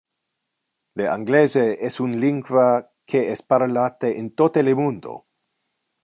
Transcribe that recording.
Le anglese es un lingua que es parlate in tote le mundo.